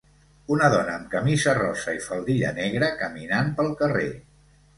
Una dona amb camisa rosa i faldilla negra caminant pel carrer.